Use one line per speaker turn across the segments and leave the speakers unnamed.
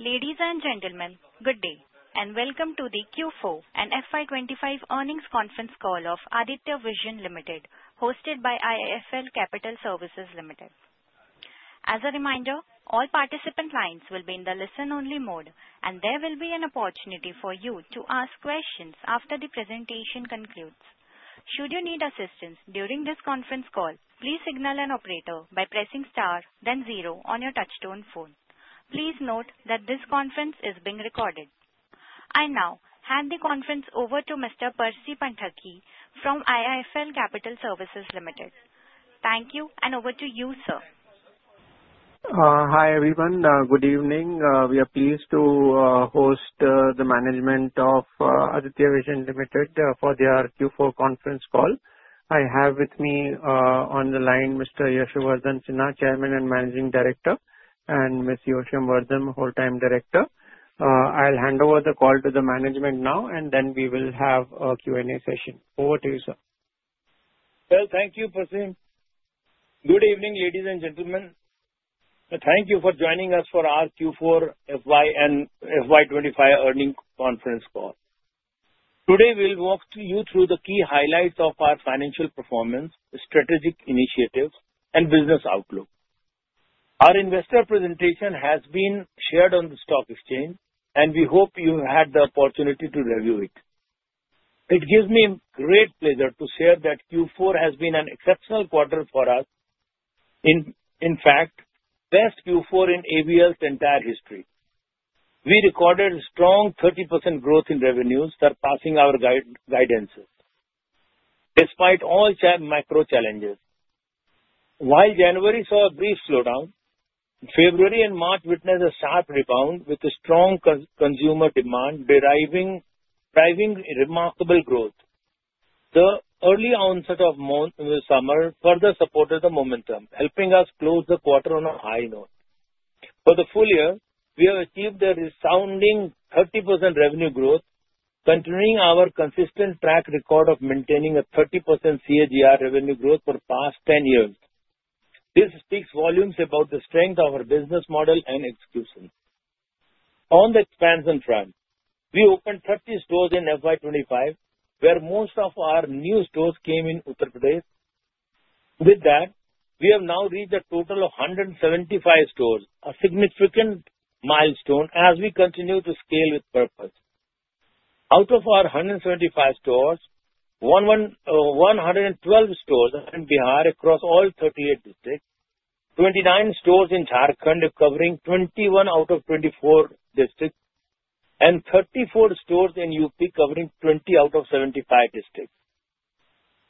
Ladies and gentlemen, good day and welcome to the Q4 and FY 2025 earnings conference call of Aditya Vision Limited, hosted by IIFL Capital Services Limited. As a reminder, all participant lines will be in the listen-only mode and there will be an opportunity for you to ask questions after the presentation concludes. Should you need assistance during this conference call, please signal an operator by pressing star then 0 on your touch-tone phone. Please note that this conference is being recorded. I now hand the conference over to Mr. Percy Panthaki from IIFL Capital Services Limited. Thank you and over to you, sir.
Hi, everyone. Good evening. We are pleased to host the management of Aditya Vision Limited for their Q4 conference call. I have with me on the line Mr. Yashovardhan Sinha, Chairman and Managing Director, and Ms. Yosham Vardhan, Whole-Time Director. I'll hand over the call to the management now and then we will have a Q&A session. Over to you, sir.
Thank you, Percy. Good evening, ladies and gentlemen. Thank you for joining us for our Q4 FY 2025 earnings conference call. Today we'll walk you through the key highlights of our financial performance, strategic initiatives, and business outlook. Our investor presentation has been shared on the stock exchange. We hope you had the opportunity to review it. It gives me great pleasure to share that Q4 has been an exceptional quarter for us. Best Q4 in AVL's entire history. We recorded strong 30% growth in revenues, surpassing our guidances despite all macro challenges. While January saw a brief slowdown, February and March witnessed a sharp rebound with strong consumer demand driving remarkable growth. The early onset of summer further supported the momentum, helping us close the quarter on a high note. For the full year, we have achieved a resounding 30% revenue growth, continuing our consistent track record of maintaining a 30% CAGR revenue growth for the past 10 years. This speaks volumes about the strength of our business model and execution. On the expansion front, we opened 30 stores in FY 2025, where most of our new stores came in Uttar Pradesh. With that, we have now reached a total of 175 stores, a significant milestone as we continue to scale with purpose. Out of our 175 stores, 112 stores are in Bihar across all 38 districts, 29 stores in Jharkhand covering 21 out of 24 districts, and 34 stores in UP covering 20 out of 75 districts.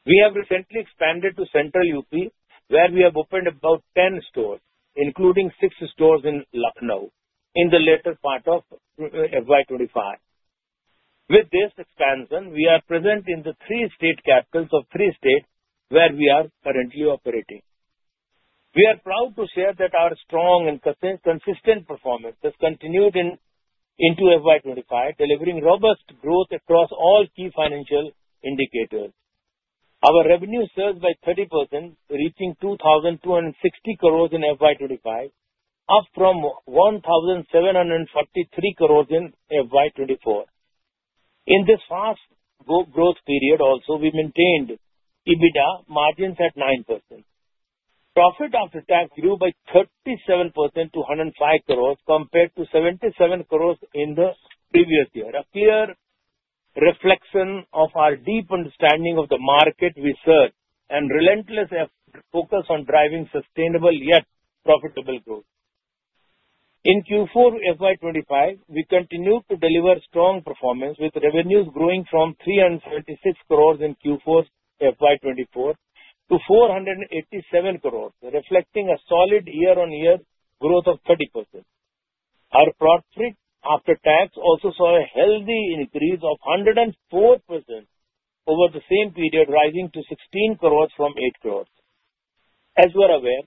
We have recently expanded to central UP, where we have opened about 10 stores, including 6 stores in Lucknow in the latter part of FY 2025. With this expansion, we are present in the three state capitals of three states where we are currently operating. We are proud to share that our strong and consistent performance has continued into FY 2025, delivering robust growth across all key financial indicators. Our revenue surged by 30%, reaching 2,260 crores in FY 2025, up from 1,753 crores in FY 2024. In this fast growth period also, we maintained EBITDA margins at 9%. Profit after tax grew by 37% to 105 crores compared to 77 crores in the previous year, a clear reflection of our deep understanding of the market research and relentless focus on driving sustainable yet profitable growth. In Q4 FY 2025, we continued to deliver strong performance with revenues growing from 376 crores in Q4 FY 2024 to 487 crores, reflecting a solid year-on-year growth of 30%. Our profit after tax also saw a healthy increase of 104% over the same period, rising to 16 crores from 8 crores. As you are aware,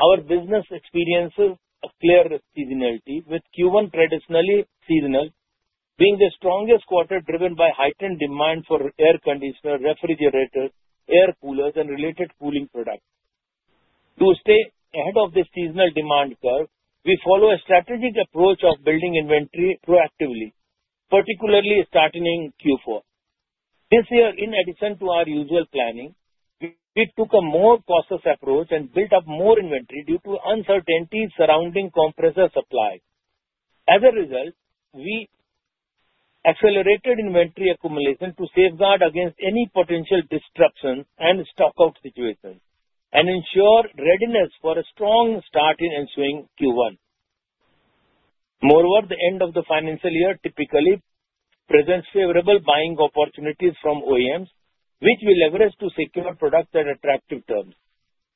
our business experiences a clear seasonality, with Q1 traditionally seasonal being the strongest quarter driven by heightened demand for air conditioners, refrigerators, air coolers, and related cooling products. To stay ahead of the seasonal demand curve, we follow a strategic approach of building inventory proactively, particularly starting in Q4. This year, in addition to our usual planning, we took a more cautious approach and built up more inventory due to uncertainty surrounding compressor supply. As a result, we accelerated inventory accumulation to safeguard against any potential disruption and stock out situations and ensure readiness for a strong start in ensuing Q1. Moreover, the end of the financial year typically presents favorable buying opportunities from OEMs, which we leverage to secure products at attractive terms.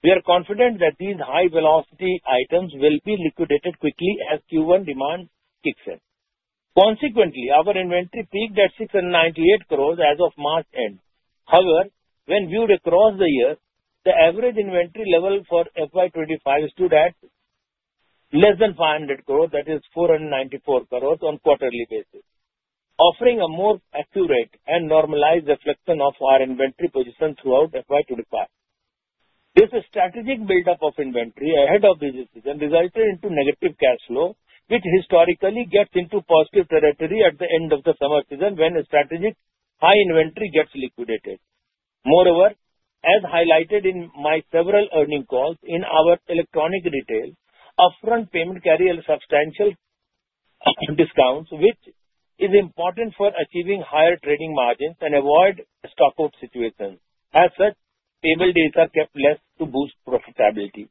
We are confident that these high-velocity items will be liquidated quickly as Q1 demand kicks in. Consequently, our inventory peaked at 698 crores as of March-end. However, when viewed across the year, the average inventory level for FY 2025 stood at less than 500 crores, that is 494 crores on quarterly basis, offering a more accurate and normalized reflection of our inventory position throughout FY 2025. This strategic buildup of inventory ahead of the busy season resulted in negative cash flow, which historically gets into positive territory at the end of the summer season when the strategic high inventory gets liquidated. Moreover, as highlighted in my several earnings calls, in our electronics retail, upfront payment carries substantial discounts, which is important for achieving higher trading margins and avoid stockout situations. As such, payable days are kept less to boost profitability.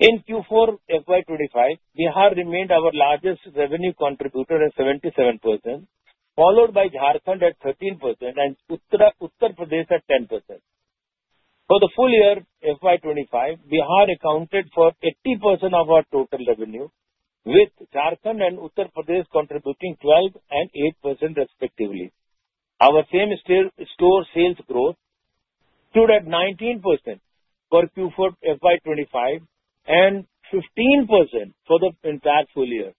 In Q4 FY 2025, Bihar remained our largest revenue contributor at 77%, followed by Jharkhand at 13% and Uttar Pradesh at 10%. For the full year FY 2025, Bihar accounted for 80% of our total revenue, with Jharkhand and Uttar Pradesh contributing 12% and 8% respectively. Our same-store sales growth stood at 19% for Q4 FY 2025 and 15% for the entire full year,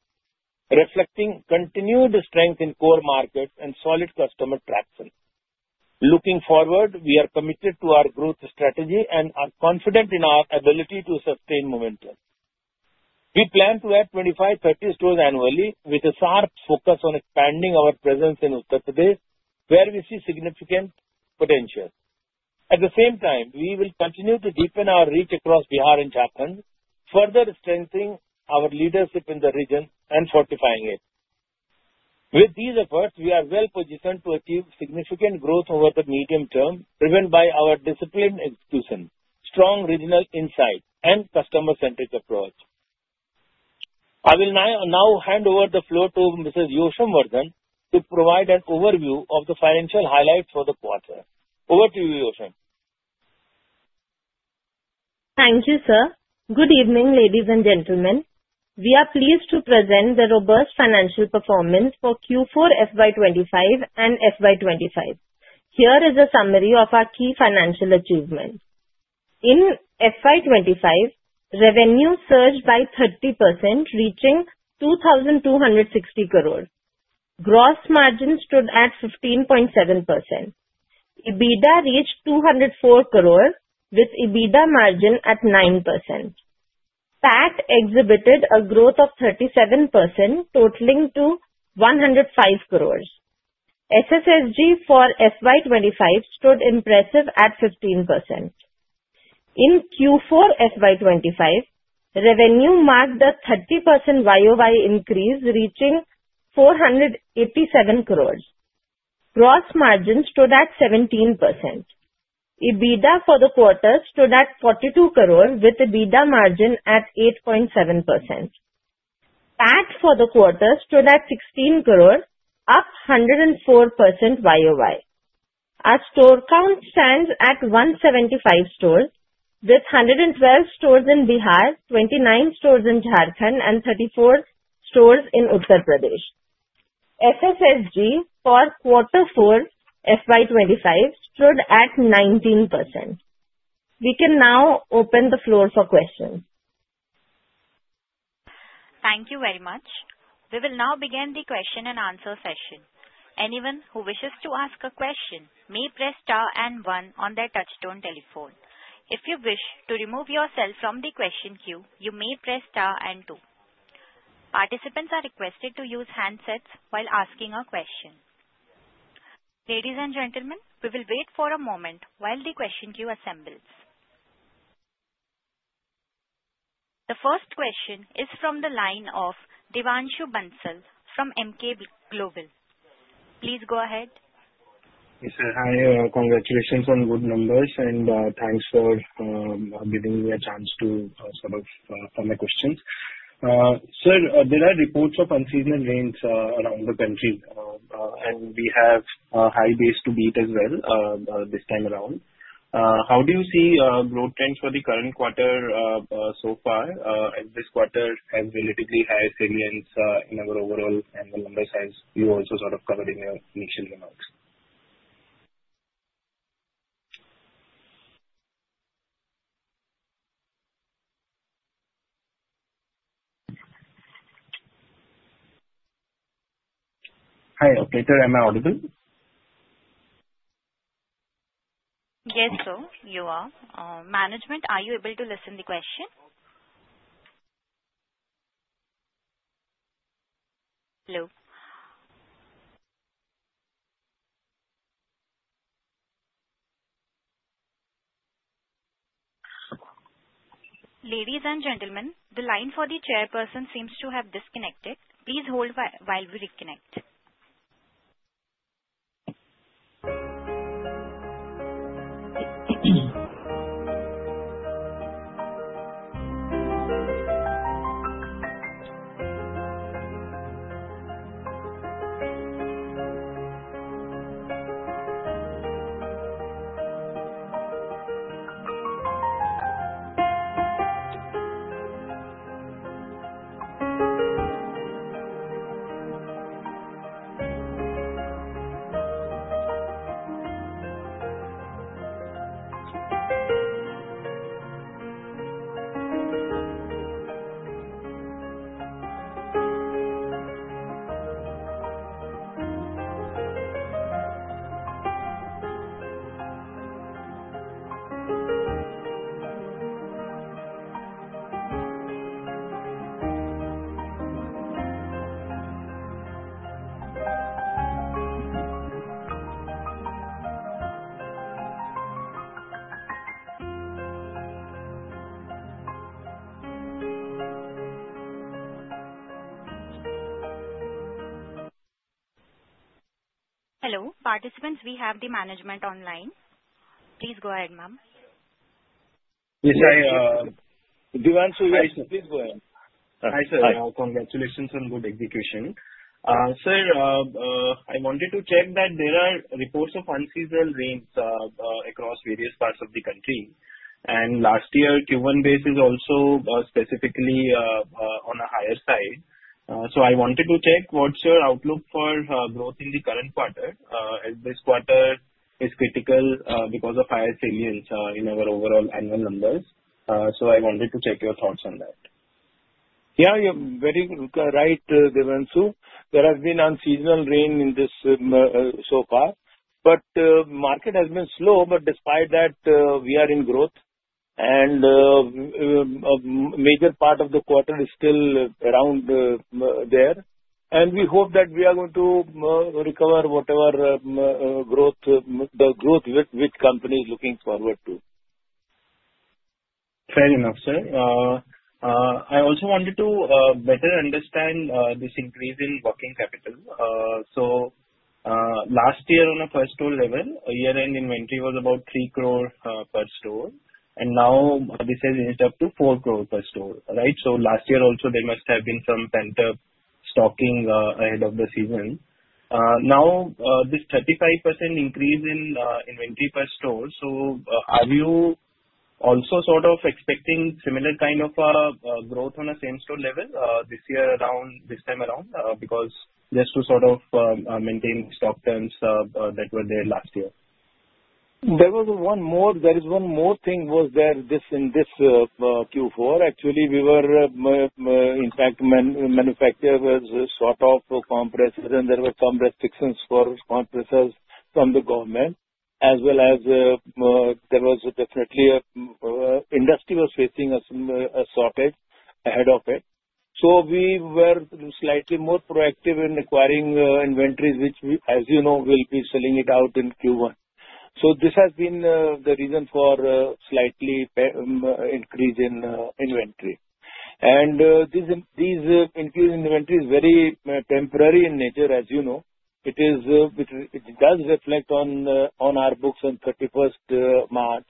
reflecting continued strength in core markets and solid customer traction. Looking forward, we are committed to our growth strategy and are confident in our ability to sustain momentum. We plan to add 25-30 stores annually, with a sharp focus on expanding our presence in Uttar Pradesh, where we see significant potential. At the same time, we will continue to deepen our reach across Bihar and Jharkhand, further strengthening our leadership in the region and fortifying it. With these efforts, we are well-positioned to achieve significant growth over the medium term, driven by our disciplined execution, strong regional insight, and customer-centric approach. I will now hand over the floor to Mrs. Yosham Vardhan to provide an overview of the financial highlights for the quarter. Over to you, Yosham.
Thank you, sir. Good evening, ladies and gentlemen. We are pleased to present the robust financial performance for Q4 FY 2025 and FY 2025. Here is a summary of our key financial achievements. In FY 2025, revenue surged by 30%, reaching 2,260 crores. Gross margin stood at 15.7%. EBITDA reached 204 crores with EBITDA margin at 9%. PAT exhibited a growth of 37%, totaling to 105 crores. SSSG for FY 2025 stood impressive at 15%. In Q4 FY 2025, revenue marked a 30% YOY increase, reaching 487 crores. Gross margin stood at 17%. EBITDA for the quarter stood at 42 crores with EBITDA margin at 8.7%. PAT for the quarter stood at 16 crores, up 104% YOY. Our store count stands at 175 stores, with 112 stores in Bihar, 29 stores in Jharkhand, and 34 stores in Uttar Pradesh. SSSG for Quarter four FY 2025 stood at 19%. We can now open the floor for questions.
Thank you very much. We will now begin the question and answer session. Anyone who wishes to ask a question may press star and one on their touch-tone telephone. If you wish to remove yourself from the question queue, you may press star and two. Participants are requested to use handsets while asking a question. Ladies and gentlemen, we will wait for a moment while the question queue assembles. The first question is from the line of Devanshu Bansal from Emkay Global. Please go ahead.
Yes, sir. Hi. Congratulations on the good numbers, and thanks for giving me a chance to sort of ask my questions. Sir, there are reports of unseasonal rains around the country, and we have a high base to beat as well this time around. How do you see growth trends for the current quarter so far, as this quarter has relatively high salience in our overall and the number size you also sort of covered in your initial remarks? Hi. Okay. Sir, am I audible?
Yes, sir, you are. Management, are you able to listen to the question? Hello? Ladies and gentlemen, the line for the chairperson seems to have disconnected. Please hold while we reconnect. Hello. Participants, we have the management online. Please go ahead, ma'am.
Yes, I, Devanshu Bansal, please go ahead.
Hi.
Hi, sir. Congratulations on good execution. Sir, I wanted to check that there are reports of unseasonal rains across various parts of the country, and last year Q1 base is also specifically on a higher side. I wanted to check what's your outlook for growth in the current quarter, as this quarter is critical because of higher salience in our overall annual numbers. I wanted to check your thoughts on that.
You're very right, Devanshu. There has been unseasonal rain so far, market has been slow. Despite that, we are in growth and major part of the quarter is still around there, and we hope that we are going to recover whatever the growth which company is looking forward to.
Fair enough, sir. I also wanted to better understand this increase in working capital. Last year on a first store level, year-end inventory was about 3 crore per store, and now this has reached up to 4 crore per store. Right. Last year also there must have been some pent-up stocking ahead of the season. Now this 35% increase in inventory per store. Are you also sort of expecting similar kind of growth on a same store level this time around because just to sort of maintain stock terms that were there last year?
There is one more thing was there in this Q4 actually, we were in fact manufacturer was sort of compressors and there were some restrictions for compressors from the government as well as there was definitely industry was facing a shortage ahead of it. We were slightly more proactive in acquiring inventories, which as you know, will be selling it out in Q1. This has been the reason for slightly increase in inventory. This increase in inventory is very temporary in nature as you know. It does reflect on our books on 31st March.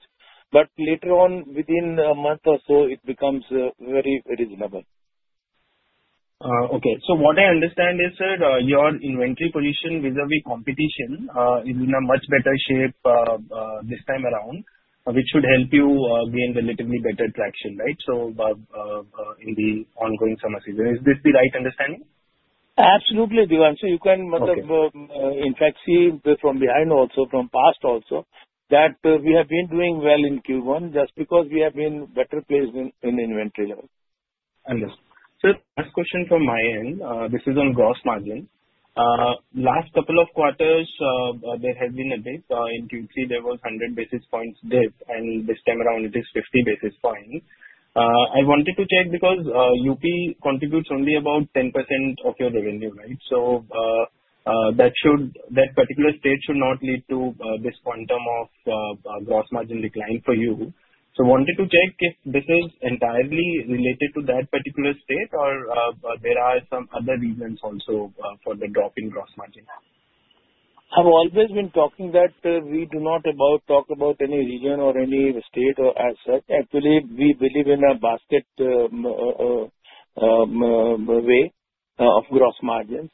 Later on within a month or so it becomes very reasonable.
Okay. What I understand is, sir, your inventory position vis-à-vis competition is in a much better shape this time around, which should help you gain relatively better traction, right? In the ongoing summer season, is this the right understanding?
Absolutely, Devanshu.
Okay
In fact see from behind also from past also that we have been doing well in Q1 just because we have been better placed in inventory level.
Understood. Sir, last question from my end. This is on gross margin. Last couple of quarters there has been a dip. In Q3 there was 100 basis points dip and this time around it is 50 basis points. I wanted to check because UP contributes only about 10% of your revenue, right? That particular state should not lead to this quantum of gross margin decline for you. Wanted to check if this is entirely related to that particular state or there are some other reasons also for the drop in gross margin.
I've always been talking that we do not talk about any region or any state as such. Actually, we believe in a basket way of gross margin.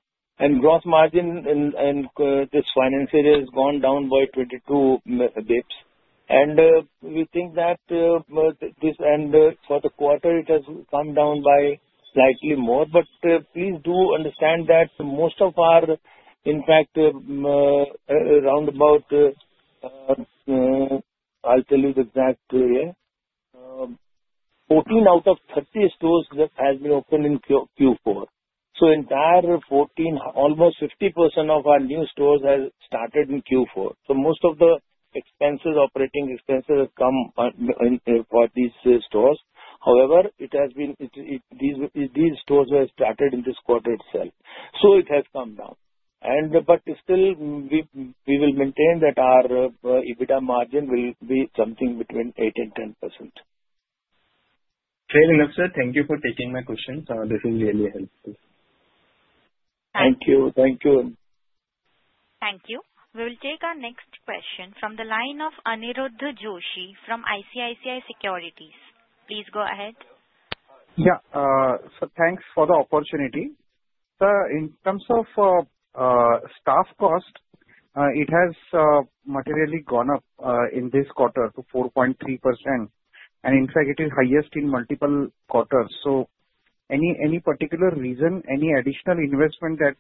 Gross margin in this financial year has gone down by 22 dips. We think that for the quarter it has come down by slightly more. Please do understand that most of our, in fact, roundabout I'll tell you the exact. 14 out of 30 stores just has been opened in Q4. Entire 14, almost 50% of our new stores has started in Q4. Most of the operating expenses have come for these stores. However, these stores have started in this quarter itself. It has come down. Still we will maintain that our EBITDA margin will be something between 8 and 10%.
Fair enough, sir. Thank you for taking my questions. This is really helpful.
Thank you.
Thank you. We will take our next question from the line of Aniruddha Joshi from ICICI Securities. Please go ahead.
Yeah. Sir, thanks for the opportunity. Sir, in terms of staff cost, it has materially gone up in this quarter to 4.3%. In fact, it is highest in multiple quarters. Any particular reason, any additional investment that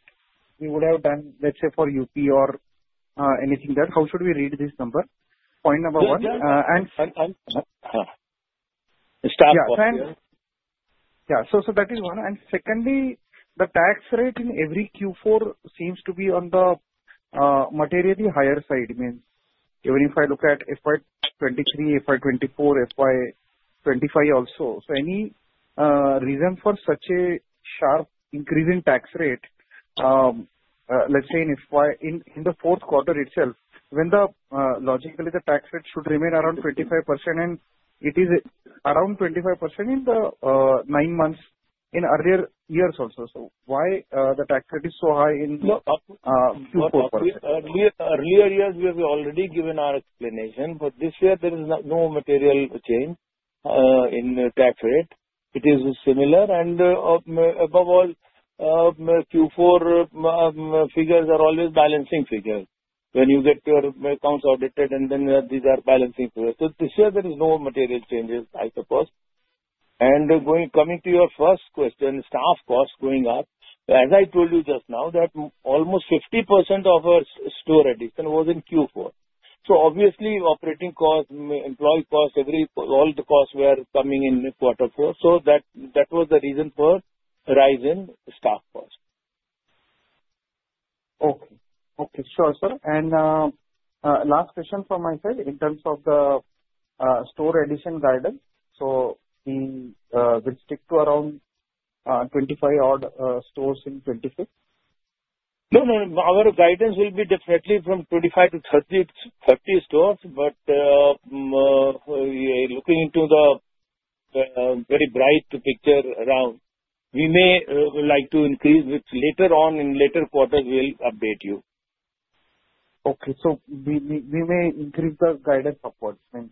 you would have done, let's say for UP or anything there? How should we read this number?
Staff cost, yeah
That is one. Secondly, the tax rate in every Q4 seems to be on the materially higher side. Even if I look at FY 2023, FY 2024, FY 2025 also. Any reason for such a sharp increase in tax rate, let's say in the fourth quarter itself, when logically the tax rate should remain around 25%, and it is around 25% in the nine months in earlier years also. Why the tax rate is so high in Q4 quarter?
Earlier years, we have already given our explanation, this year there is no material change in the tax rate. It is similar, above all, Q4 figures are always balancing figures. When you get your accounts audited, then these are balancing figures. This year there is no material changes, I suppose. Coming to your first question, staff costs going up. As I told you just now, that almost 50% of our store addition was in Q4. Obviously operating costs, employee costs, all the costs were coming in quarter four. That was the reason for rise in staff cost.
Okay. Sure, sir. Last question from my side in terms of the store addition guidance. We will stick to around 25 odd stores in 2025?
our guidance will be definitely from 25 to 30 stores. We are looking into the very bright picture around. We may like to increase which later on in later quarters we'll update you.
Okay. We may increase the guidance upwards then?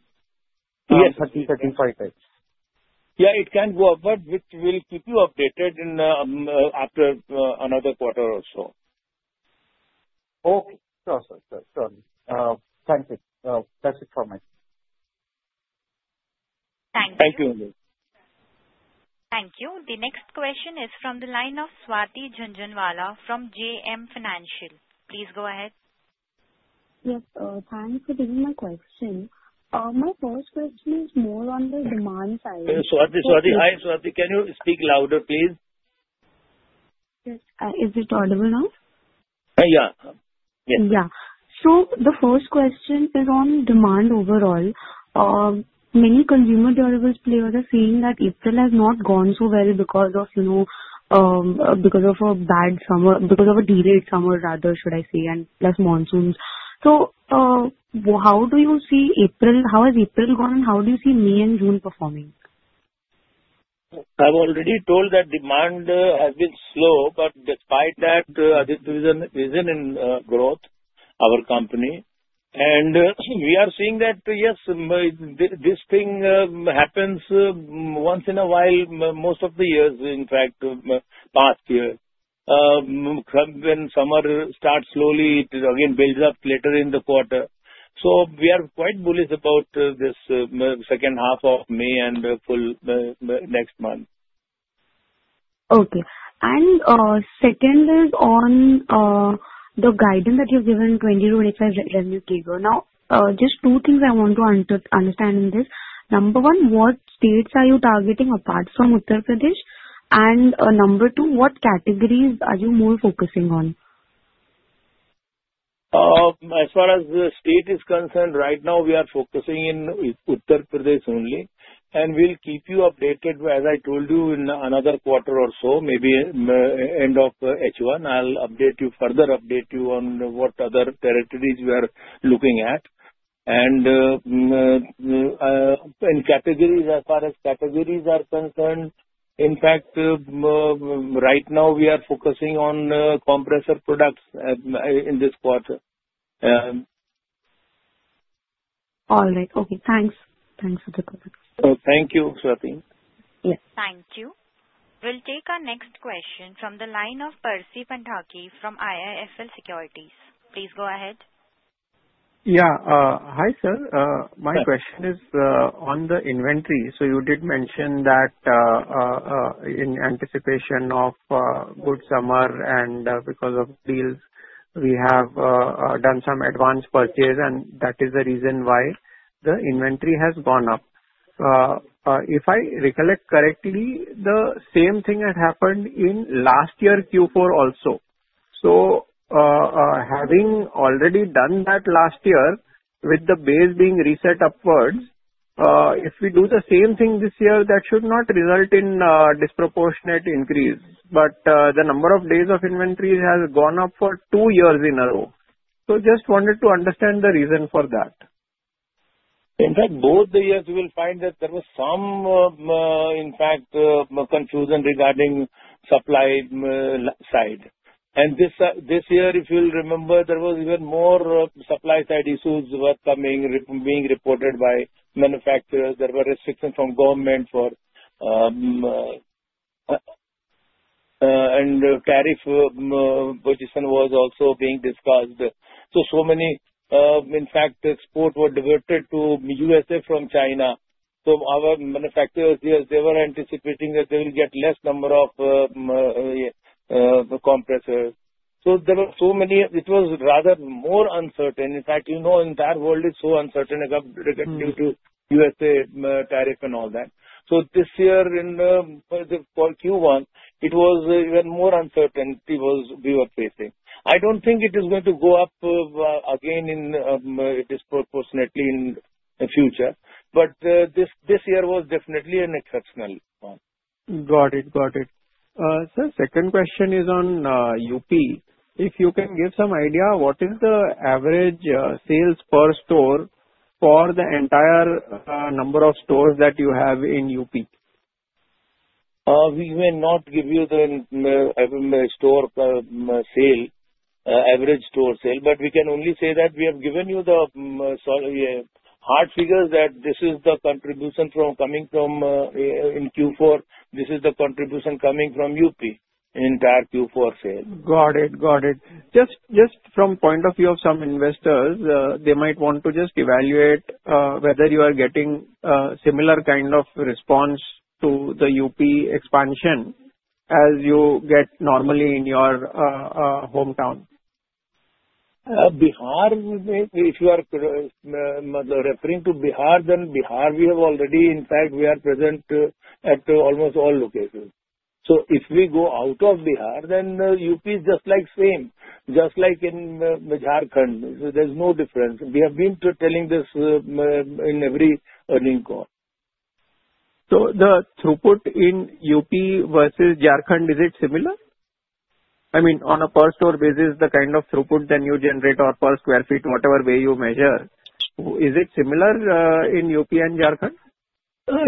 Yes.
30, 35 types.
Yeah, it can go upward. We'll keep you updated after another quarter or so.
Okay. Sure, sir. Thank you. That's it from me.
Thank you.
Thank you. The next question is from the line of Swati Jhunjhunwala from JM Financial. Please go ahead.
Yes. Thanks for taking my question. My first question is more on the demand side.
Swati, hi Swati, can you speak louder, please?
Yes. Is it audible now?
Yeah.
The first question is on demand overall. Many consumer durables players are saying that April has not gone so well because of a delayed summer, rather should I say, and plus monsoons. How has April gone, and how do you see May and June performing?
I've already told that demand has been slow, despite that, Aditya Vision is in growth, our company. We are seeing that, yes, this thing happens once in a while, most of the years, in fact, past year. When summer starts slowly, it again builds up later in the quarter. We are quite bullish about this second half of May and full next month.
Okay. Second is on the guidance that you've given 20-25 revenue take over. Just two things I want to understand in this. Number one, what states are you targeting apart from Uttar Pradesh? Number two, what categories are you more focusing on?
As far as the state is concerned, right now we are focusing in Uttar Pradesh only. We'll keep you updated, as I told you, in another quarter or so, maybe end of H1, I'll further update you on what other territories we are looking at. As far as categories are concerned, in fact, right now we are focusing on compressor products in this quarter.
All right. Okay, thanks. Thanks for the comments.
Thank you, Swati.
Yes.
Thank you. We'll take our next question from the line of Percy Panthaki from IIFL Securities. Please go ahead.
Yeah. Hi, sir.
Yes.
My question is on the inventory. You did mention that in anticipation of good summer and because of deals, we have done some advance purchase, and that is the reason why the inventory has gone up. If I recollect correctly, the same thing had happened in last year Q4 also. Having already done that last year with the base being reset upwards, if we do the same thing this year, that should not result in a disproportionate increase. The number of days of inventory has gone up for two years in a row. Just wanted to understand the reason for that.
In fact, both the years you will find that there was some confusion regarding supply side. This year, if you'll remember, there was even more supply side issues were coming, being reported by manufacturers. There were restrictions from government, tariff position was also being discussed. In fact, export were diverted to U.S.A. from China. Our manufacturers, they were anticipating that they will get less number of compressors. It was rather more uncertain. In fact, entire world is so uncertain as of recent due to U.S.A. tariff and all that. This year in Q1, it was even more uncertainty we were facing. I don't think it is going to go up again disproportionately in the future. This year was definitely an exceptional one.
Got it. Sir, second question is on U.P. If you can give some idea, what is the average sales per store for the entire number of stores that you have in U.P.?
We may not give you the average store sale. We can only say that we have given you the hard figures that this is the contribution coming from Q4. This is the contribution coming from U.P. in entire Q4 sale.
Got it. Just from point of view of some investors, they might want to just evaluate whether you are getting similar kind of response to the U.P. expansion as you get normally in your hometown.
Bihar, if you are referring to Bihar, then Bihar we have already In fact, we are present at almost all locations. If we go out of Bihar, then U.P. is just like same, just like in Jharkhand. There's no difference. We have been telling this in every earning call.
The throughput in UP versus Jharkhand, is it similar? I mean, on a per store basis, the kind of throughput that you generate or per square feet, whatever way you measure, is it similar in UP and Jharkhand?
No,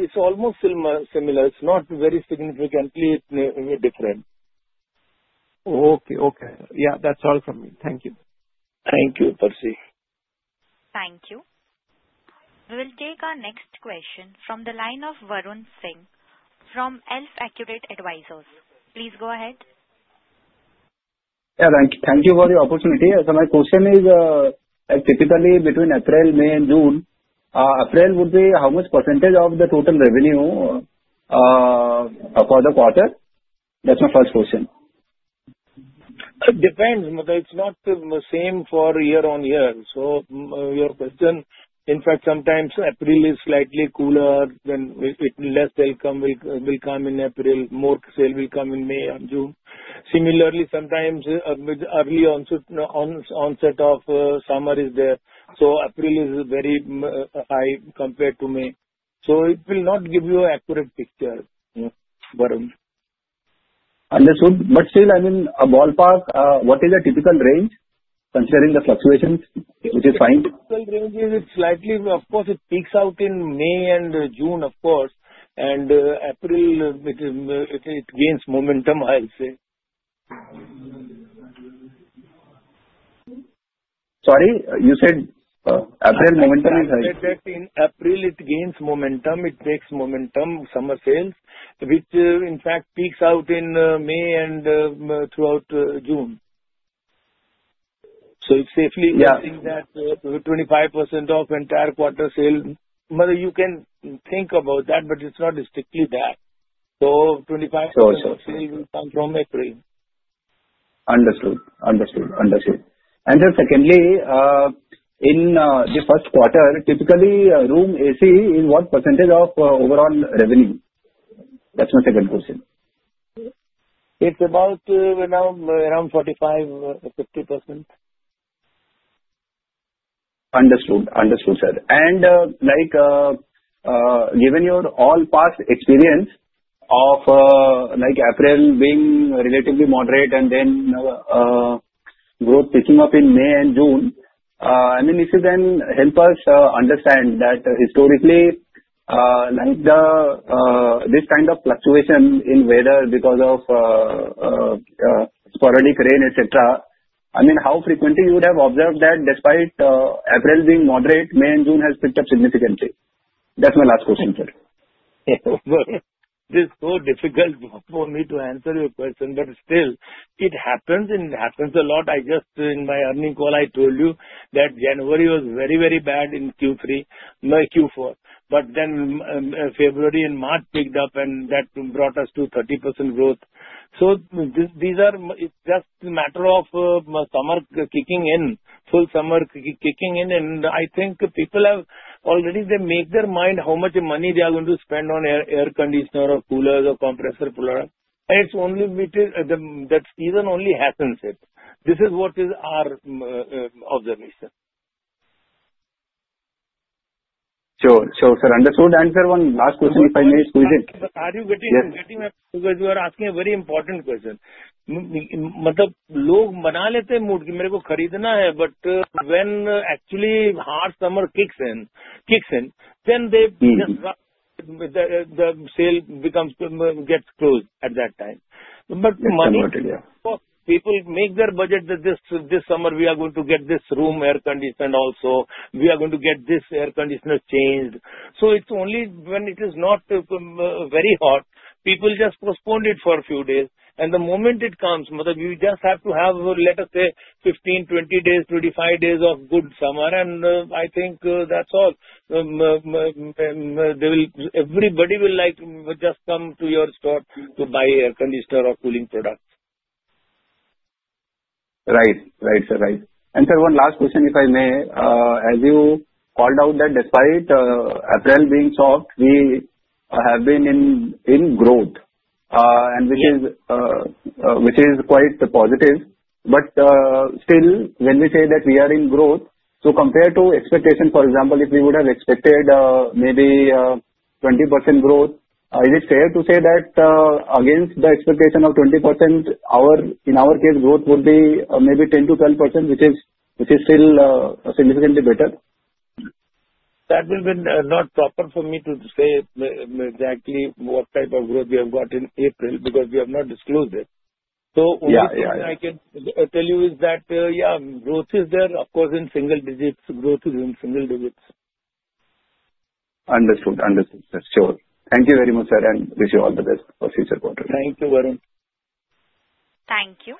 it's almost similar. It's not very significantly different.
Okay. Yeah, that's all from me. Thank you.
Thank you, Percy.
Thank you. We will take our next question from the line of Varun Singh from Elf Accurate Advisors. Please go ahead.
Yeah, thank you for the opportunity. My question is, typically between April, May and June, April would be how much % of the total revenue for the quarter? That is my first question.
It depends. It is not the same for year-over-year. Your question, in fact, sometimes April is slightly cooler, then less sale will come in April, more sale will come in May and June. Similarly, sometimes early onset of summer is there, April is very high compared to May. It will not give you an accurate picture, Varun.
Understood. Still, I mean, a ballpark, what is a typical range considering the fluctuations, which is fine?
Typical range is it's slightly, of course it peaks out in May and June, of course, April it gains momentum, I'll say.
Sorry. You said April momentum is high.
I said that in April it gains momentum. It takes momentum, summer sales, which in fact peaks out in May and throughout June. It's safely.
Yeah.
I think that 25% of entire quarter sale. You can think about that, but it's not strictly that. 25%.
Sure.
-will come from April.
Understood. Then secondly, in the first quarter, typically room AC is what % of overall revenue? That's my second question.
It's about around 45% or 50%.
Understood, sir. Given your all past experience of April being relatively moderate and then growth picking up in May and June, I mean, if you then help us understand that historically this kind of fluctuation in weather because of sporadic rain, et cetera, I mean, how frequently you would have observed that despite April being moderate, May and June has picked up significantly? That's my last question, sir.
This is so difficult for me to answer your question, still, it happens and it happens a lot. In my earning call, I told you that January was very bad in Q4. Then February and March picked up. That brought us to 30% growth. It's just a matter of summer kicking in, full summer kicking in, and I think people have already they make their mind how much money they are going to spend on air conditioner or coolers or compressor cooler. That season only happens it. This is what is our observation.
Sure, sir. Understood. Answer one last question, if I may squeeze in.
Are you getting?
Yes.
You are asking a very important question. People make up their mood that I want to buy. When actually hard summer kicks in, the sale gets closed at that time.
Yeah.
People make their budget that this summer we are going to get this room air-conditioned also. We are going to get this air conditioner changed. It's only when it is not very hot, people just postpone it for a few days, and the moment it comes, you just have to have, let us say, 15, 20 days, 25 days of good summer, and I think that's all. Everybody will like just come to your store to buy air conditioner or cooling product.
Right, sir. Sir, one last question, if I may. As you called out that despite April being soft, we have been in growth, which is quite positive. Still, when we say that we are in growth, compared to expectation, for example, if we would have expected maybe 20% growth, is it fair to say that against the expectation of 20%, in our case, growth would be maybe 10%-12%, which is still significantly better?
That will be not proper for me to say exactly what type of growth we have got in April, because we have not disclosed it.
Yeah.
Only thing I can tell you is that, yeah, growth is there, of course, in single digits. Growth is in single digits.
Understood, sir. Sure. Thank you very much, sir, and wish you all the best for future quarter.
Thank you, Varun.
Thank you.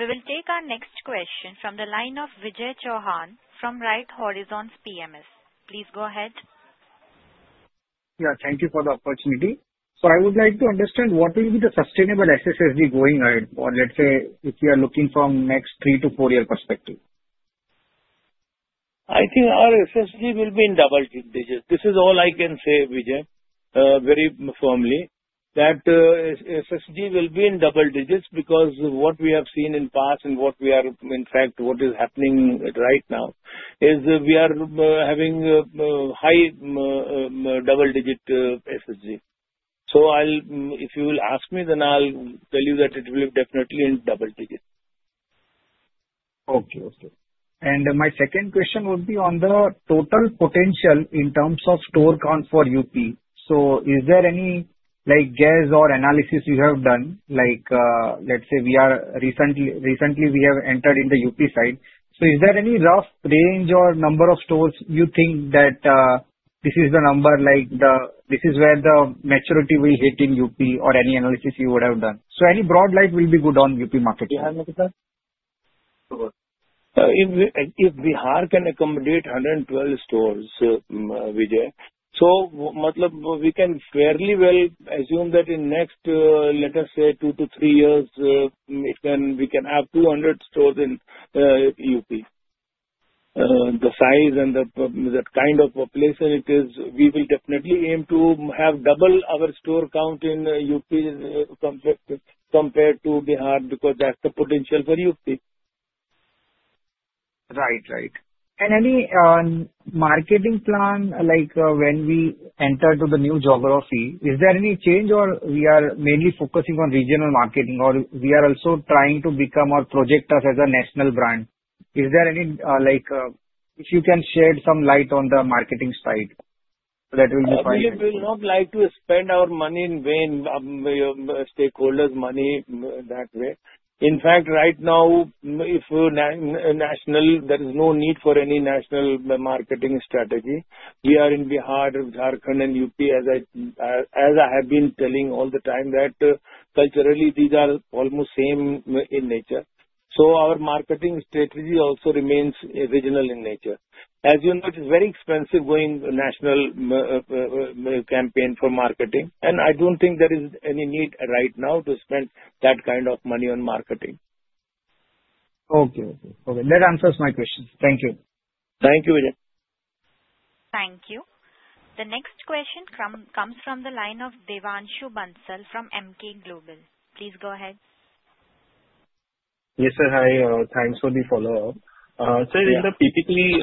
We will take our next question from the line of Vijay Chauhan from Right Horizons PMS. Please go ahead.
Yeah, thank you for the opportunity. I would like to understand what will be the sustainable SSG going ahead or let's say, if you are looking from next three to four-year perspective.
I think our SSG will be in double digits. This is all I can say, Vijay, very firmly, that SSG will be in double digits because what we have seen in past and in fact, what is happening right now is we are having high double-digit SSG. If you will ask me, then I'll tell you that it will definitely in double digits.
Okay. My second question would be on the total potential in terms of store count for UP. Is there any guess or analysis you have done? Let's say recently we have entered in the UP side, is there any rough range or number of stores you think that this is the number, this is where the maturity we hit in UP or any analysis you would have done? Any broad light will be good on UP market.
If Bihar can accommodate 112 stores, Vijay, we can fairly well assume that in next, let us say two to three years, we can have 200 stores in UP. The size and that kind of population it is, we will definitely aim to have double our store count in UP compared to Bihar, because that's the potential for UP.
Right. Any marketing plan, like when we enter to the new geography, is there any change or we are mainly focusing on regional marketing or we are also trying to become or project us as a national brand? If you can shed some light on the marketing side, that will be fine.
Vijay, we will not like to spend our money in vain, stakeholders' money that way. In fact, right now, there is no need for any national marketing strategy. We are in Bihar, Jharkhand, and UP. As I have been telling all the time that culturally these are almost same in nature. Our marketing strategy also remains regional in nature. As you know, it is very expensive going national campaign for marketing, I don't think there is any need right now to spend that kind of money on marketing.
Okay. That answers my questions. Thank you.
Thank you, Vijay.
Thank you. The next question comes from the line of Devanshu Bansal from Emkay Global. Please go ahead.
Yes, sir. Hi. Thanks for the follow-up.
Yeah.
Sir, typically,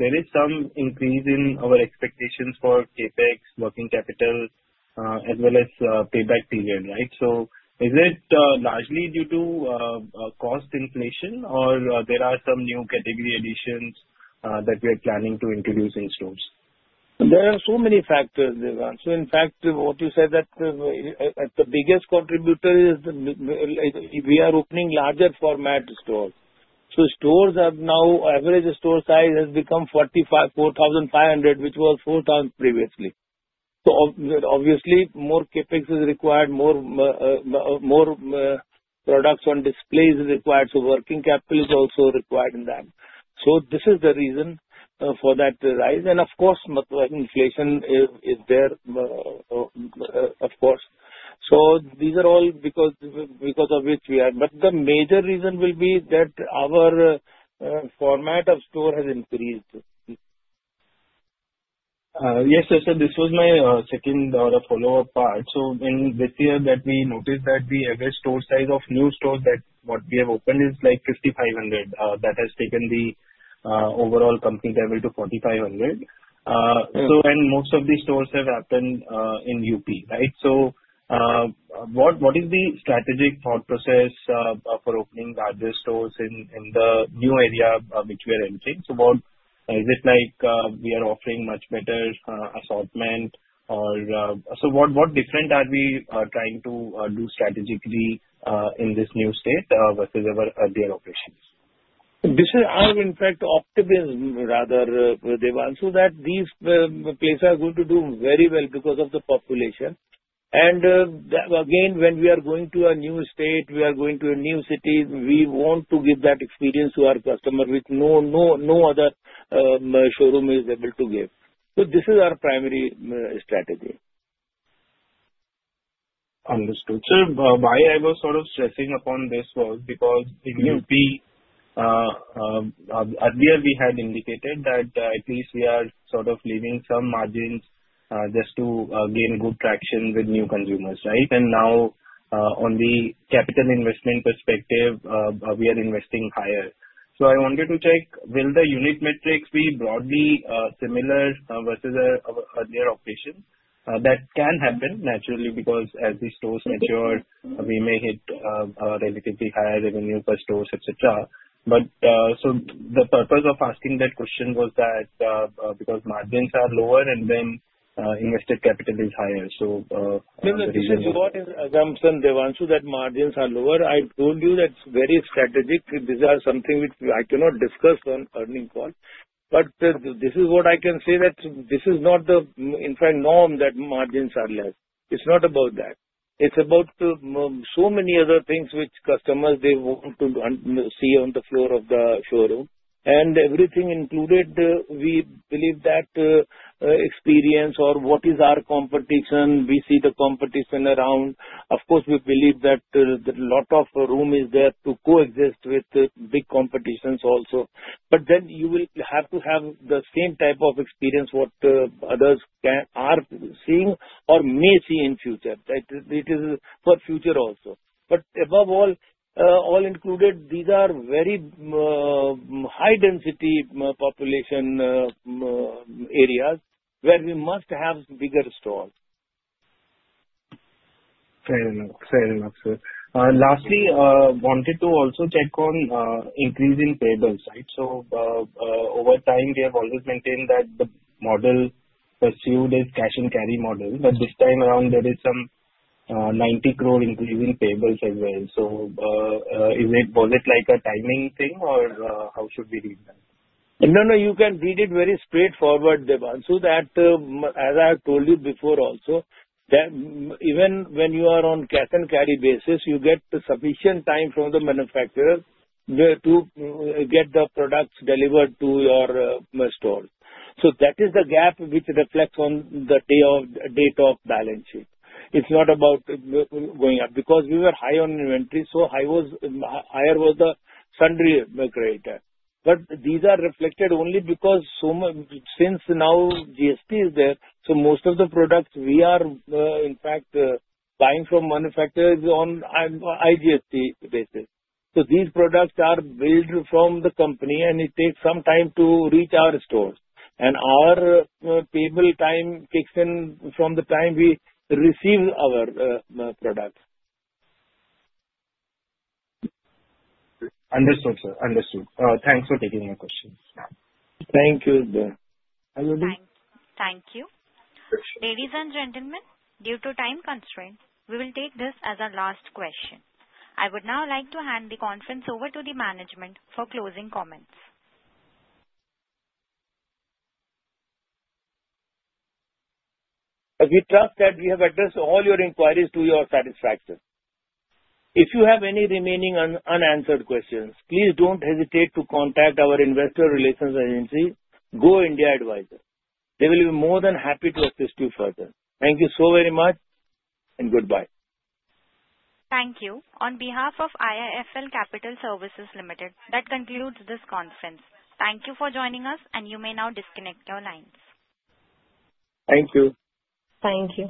there is some increase in our expectations for CapEx, working capital, as well as payback period, right? Is it largely due to cost inflation or there are some new category additions that we're planning to introduce in stores?
There are so many factors, Devanshu. In fact, what you said that the biggest contributor is we are opening larger format stores. Now average store size has become 4,500, which was 4,000 previously. Obviously, more CapEx is required, more products on displays is required, working capital is also required in that. This is the reason for that rise. Of course, inflation is there, of course. These are all because of which we are. The major reason will be that our format of store has increased.
Yes, sir. This was my second follow-up part. In this year that we noticed that the average store size of new stores, that what we have opened is like 5,500. That has taken the overall company level to 4,500.
Yes.
Most of these stores have happened in UP, right? What is the strategic thought process for opening larger stores in the new area which we are entering? Is it like we are offering much better assortment? What different are we trying to do strategically in this new state versus our earlier operations?
This is our, in fact, optimism rather, Devanshu, that these places are going to do very well because of the population. Again, when we are going to a new state, we are going to a new city, we want to give that experience to our customer which no other showroom is able to give. This is our primary strategy.
Understood. Sir, why I was sort of stressing upon this was because earlier we had indicated that at least we are sort of leaving some margins just to gain good traction with new consumers, right? Now on the capital investment perspective, we are investing higher. I wanted to check, will the unit metrics be broadly similar versus our earlier operations? That can happen naturally because as the stores mature, we may hit a relatively higher revenue per stores, et cetera. The purpose of asking that question was that because margins are lower and then invested capital is higher.
No, this is your assumption, Devanshu, that margins are lower. I told you that's very strategic. These are something which I cannot discuss on earning call. This is what I can say, that this is not the, in fact, norm that margins are less. It's not about that. It's about so many other things which customers they want to see on the floor of the showroom. Everything included, we believe that experience or what is our competition, we see the competition around. Of course, we believe that there is a lot of room is there to coexist with big competitions also. You will have to have the same type of experience what others are seeing or may see in future. It is for future also. Above all included, these are very high density population areas where we must have bigger stores.
Fair enough, sir. Lastly, wanted to also check on increase in payables. Over time, we have always maintained that the model pursued is cash and carry model, but this time around there is some 90 crore increase in payables as well. Was it like a timing thing or how should we read that?
No, you can read it very straightforward, Devanshu. As I have told you before also, that even when you are on cash and carry basis, you get sufficient time from the manufacturer to get the products delivered to your store. That is the gap which reflects on the date of balance sheet. It's not about going up because we were high on inventory, higher was the sundry creditor. These are reflected only because since now GST is there, most of the products we are, in fact, buying from manufacturers on IGST basis. These products are billed from the company and it takes some time to reach our stores, and our payable time kicks in from the time we receive our products.
Understood, sir. Thanks for taking the questions.
Thank you, Dev.
Thank you.
Sure.
Ladies and gentlemen, due to time constraints, we will take this as our last question. I would now like to hand the conference over to the management for closing comments.
We trust that we have addressed all your inquiries to your satisfaction. If you have any remaining unanswered questions, please don't hesitate to contact our investor relations agency, Go India Advisors. They will be more than happy to assist you further. Thank you so very much and goodbye.
Thank you. On behalf of IIFL Capital Services Limited, that concludes this conference. Thank you for joining us and you may now disconnect your lines.
Thank you.
Thank you.